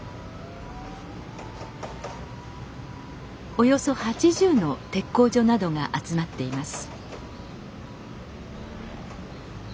およそ８０の鉄工所などが集まっています。